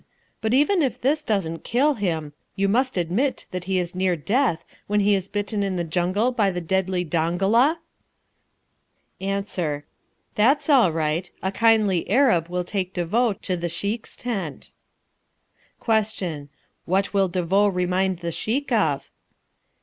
But even if this doesn't kill him, you must admit that he is near death when he is bitten in the jungle by the deadly dongola? Answer. That's all right. A kindly Arab will take De Vaux to the Sheik's tent. Question. What will De Vaux remind the Sheik of?